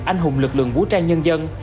anh hùng lực lượng vũ trang nhân dân